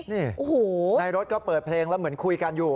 นี่ในรถก็เปิดเพลงแล้วเหมือนคุยกันอยู่